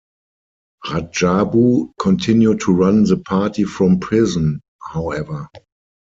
Radjabu continued to run the party from prison, however.